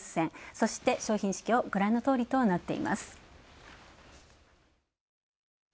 そして、商品市況、ご覧のとおりとなっています。